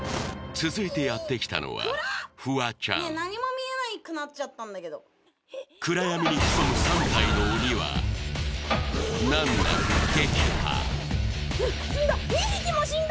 続いてやってきたのはフワちゃん何も見えなくなっちゃったんだけど暗闇に潜む３体の鬼は難なく撃破死んだ２匹も死んだ！